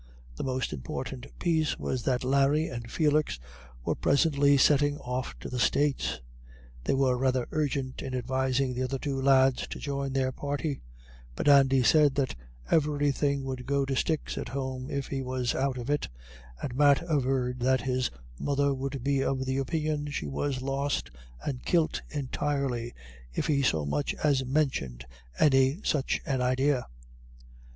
The most important piece was that Larry and Felix were presently setting off to the States. They were rather urgent in advising the other two lads to join their party; but Andy said that everything would go to sticks at home if he was out of it, and Matt averred that his mother would be of the opinion she was lost and kilt entirely, if he so much as mentioned any such an idea.